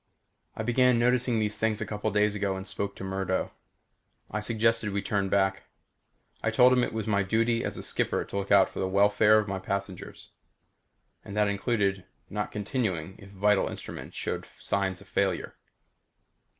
I began noticing these things a couple of days ago and spoke to Murdo. I suggested we turn back. I told him it was my duty as a skipper to look out for the welfare of my passengers. And that included not continuing if vital instruments showed signs of failure.